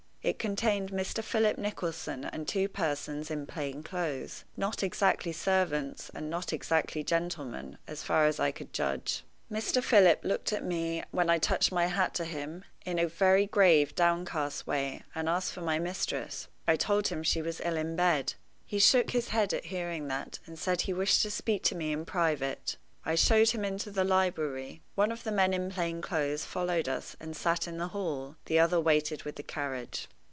It contained Mr. Philip Nicholson and two persons in plain clothes, not exactly servants and not exactly gentlemen, as far as I could judge. Mr. Philip looked at me, when I touched my hat to him, in a very grave, downcast way, and asked for my mistress. I told him she was ill in bed. He shook his head at hearing that, and said he wished to speak to me in private. I showed him into the library. One of the men in plain clothes followed us, and sat in the hall. The other waited with the carriage.